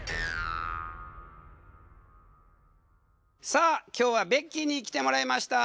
さあ今日はベッキーに来てもらいました。